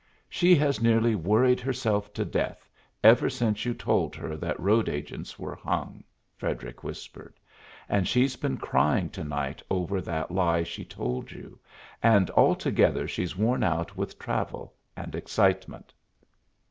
"She has nearly worried herself to death ever since you told her that road agents were hung," Frederic whispered; "and she's been crying to night over that lie she told you, and altogether she's worn out with travel and excitement."